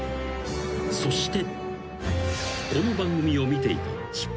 そして］